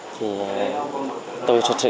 thì tôi thật sự